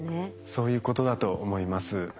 そういうことだと思います。